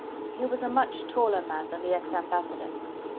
He was a much taller man than the ex ambassador.